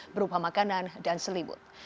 berupa makanan dan selimut